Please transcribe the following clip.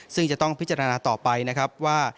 ซึ่งจะต้องพิจารณาต่อไปนะครับว่า